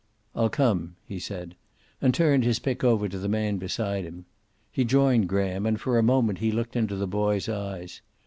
"I'll come," he said, and turned his pick over to a man beside him. He joined Graham, and for a moment he looked into the boy's eyes.